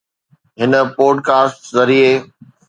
هن podcast ذريعي